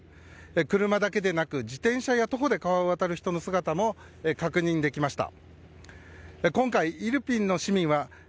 車だけでなく自転車や徒歩で川を渡る人の姿も確認できました。